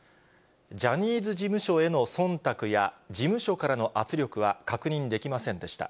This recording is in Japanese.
ジャニーズ事務所へのそんたくや、事務所からの圧力は確認できませんでした。